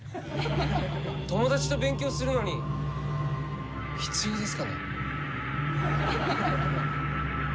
友達と勉強するのに必要ですかね？